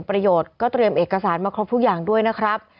ประโยชน์ก็เตรียมเอกสารมาครบทุกอย่างด้วยนะครับ